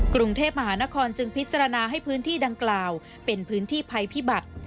กรุงเทพมหานครจึงพิจารณาให้พื้นที่ดังกล่าวเป็นพื้นที่ภัยพิบัติ